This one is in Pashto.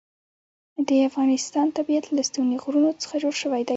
د افغانستان طبیعت له ستوني غرونه څخه جوړ شوی دی.